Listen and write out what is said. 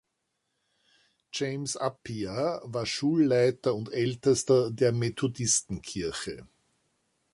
James Appiah war Schulleiter und Ältester der Methodisten-Kirche.